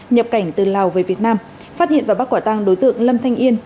nhập cảnh từ lào về việt nam phát hiện vào bác quả tăng đối tượng lâm thành yên